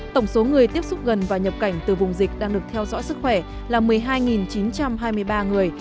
tổng số người tiếp xúc gần và nhập cảnh từ vùng dịch đang được theo dõi sức khỏe là một mươi hai chín trăm hai mươi ba người